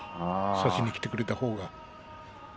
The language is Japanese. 差しにきてくれたほうが。